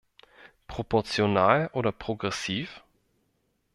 Proportional oder progressiv?